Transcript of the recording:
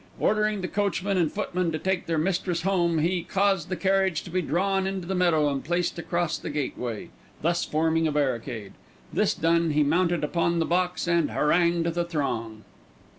Ordering the coachman and footman to take their mistress home, he caused the carriage to be drawn into the meadow and placed across the gateway, thus forming a barricade. This done, he mounted upon the box and harangued the throng.